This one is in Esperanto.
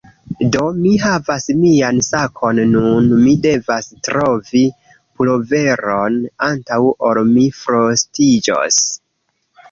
Do, mi havas mian sakon nun mi devas trovi puloveron antaŭ ol mi frostiĝos